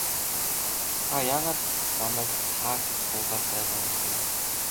Та яагаад намайг та гэж дуудаад байгаа юм бэ?